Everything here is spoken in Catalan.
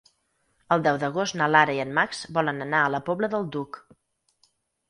El deu d'agost na Lara i en Max volen anar a la Pobla del Duc.